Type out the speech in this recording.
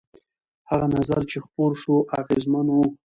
هغه نظر چې خپور شو اغېزمن و.